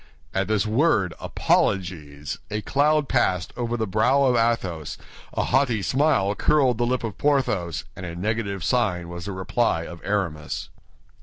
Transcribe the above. At this word apologies, a cloud passed over the brow of Athos, a haughty smile curled the lip of Porthos, and a negative sign was the reply of Aramis.